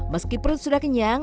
meski perut sudah kenyang